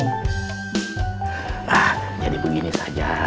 nah jadi begini saja